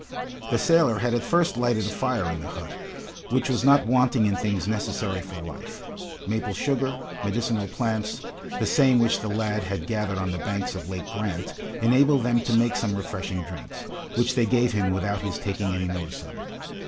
The sailor had at first lighted a fire in the hut, which was not wanting in things necessary for life. Maple sugar, medicinal plants, the same which the lad had gathered on the banks of Lake Grant, enabled them to make some refreshing drinks, which they gave him without his taking any notice of it.